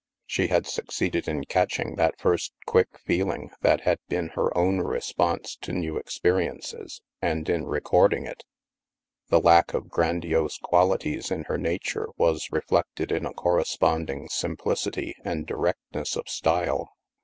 She had succeeded in catching that first quick feeling that had been her own response to new experiences, and in recording it. The lack of grandiose qualities in her nature was reflected in a corresponding simplicity and directness of style.